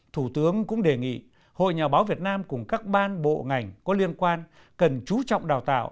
thủ tướng cũng đề nghị hội nhà báo việt nam cùng các ban bộ ngành có liên quan cần chú trọng đào tạo